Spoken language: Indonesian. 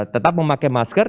tetap memakai masker